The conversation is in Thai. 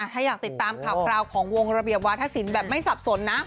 ถ้าอยากติดตามข่าวคราวของวงระเบียบวาธศิลป์แบบไม่สับสนนะ